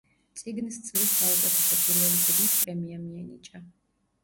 წიგნს წლის საუკეთესო პირველი წიგნის პრემია მიენიჭა.